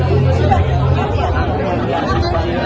ini tradisi dulu ya